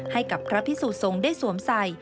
ให้กับพระพิสุทรงได้สวมใส่